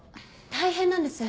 大変なんです。